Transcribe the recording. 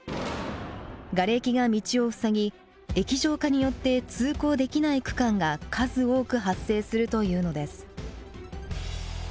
がれきが道を塞ぎ液状化によって通行できない区間が数多く発生するというのです。